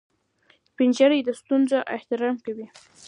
سپین ږیری د سنتونو احترام کوي